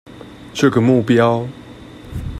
這個目標